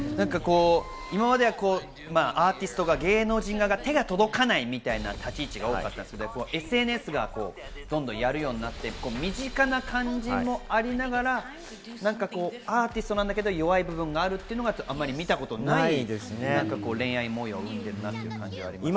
今まではアーティストや芸能人に手が届かないみたいな立ち位置が多かったんですけど、ＳＮＳをやるようになって身近な感じもありながらアーティストなんだけど弱い部分があるというのが見たことない恋愛模様を生んでいる感じがあります。